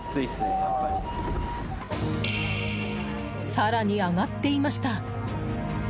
更に上がっていました。